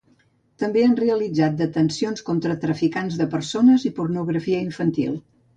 També han realitzat detencions contra traficants de persones i pornografia infantil.